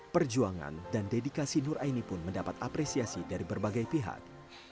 perjuangan dan dedikasi nur aini pun mendapat apresiasi dari berbagai pihak